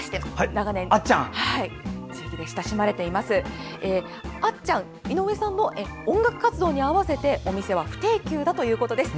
長年、地域で親しまれていますあっちゃん、井上さんも音楽活動に合わせて不定休ということです。